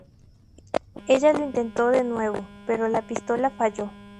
Ella lo intentó de nuevo, pero la pistola falló.